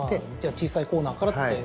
小さいコーナーからっていう。